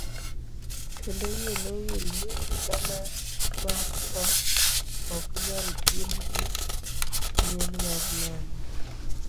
Kendo wiye nowil ni higa mar to ok nyal pim gi nyien mar nanga.